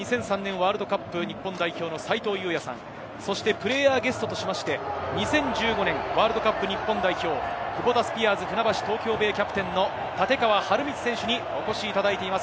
ワールドカップ日本代表の斉藤祐也さん、プレーヤーゲストとしまして、２０１５年ワールドカップ日本代表、クボタスピアーズ船橋・東京ベイキャプテンの立川理道選手にお越しいただいています。